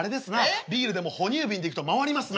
ビールでも哺乳瓶でいくと回りますな。